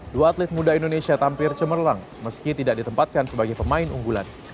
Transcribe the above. dua atlet muda indonesia tampil cemerlang meski tidak ditempatkan sebagai pemain unggulan